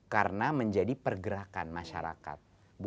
karena menjadi pergerakan masyarakat